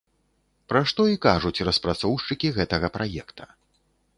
Пра што і кажуць распрацоўшчыкі гэтага праекта.